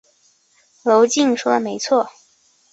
娄敬说的没错。